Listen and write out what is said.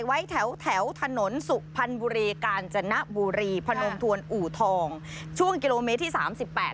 ไว้แถวแถวถนนสุพรรณบุรีกาญจนบุรีพนมทวนอู่ทองช่วงกิโลเมตรที่สามสิบแปด